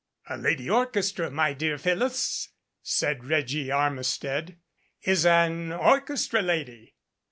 "A 'Lady Orchestra,' my dear Phyllis," said Reggie Armistead, "is an orchestra lady."